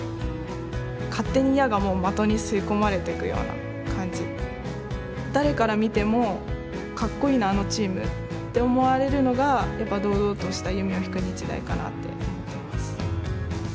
部が掲げてきたのは誰から見てもかっこいいなあのチームって思われるのがやっぱ堂々とした弓を引く日大かなって思ってます。